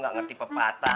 lo gak ngerti pepatah